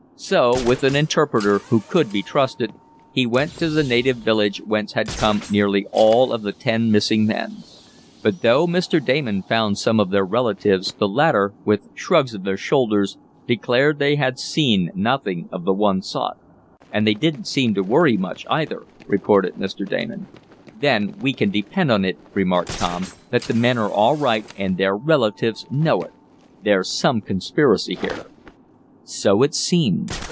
So, with an interpreter who could be trusted, he went to the native village whence had come nearly all of the ten missing men. But though Mr. Damon found some of their relatives, the latter, with shrugs of their shoulders, declared they had seen nothing of the ones sought. "And they didn't seem to worry much, either," reported Mr. Damon. "Then we can depend on it," remarked Tom, "that the men are all right and their relatives know it. There's some conspiracy here." So it seemed.